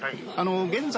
現在。